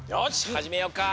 はじめようか。